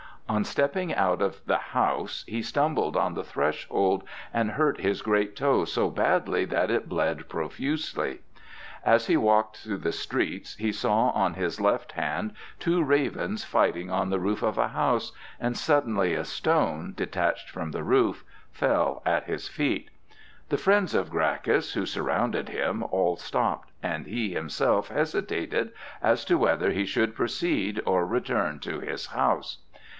On stepping out of the house he stumbled on the threshold and hurt his great toe so badly that it bled profusely. As he walked through the streets he saw on his left hand two ravens fighting on the roof of a house, and suddenly a stone, detached from the roof, fell at his feet. The friends of Gracchus, who surrounded him, all stopped, and he himself hesitated as to whether he should proceed or return to his house.